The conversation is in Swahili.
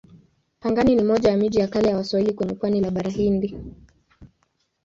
Pangani ni moja ya miji ya kale ya Waswahili kwenye pwani la Bahari Hindi.